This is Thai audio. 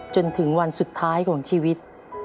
จนถึงวันสุดท้ายของชีวิต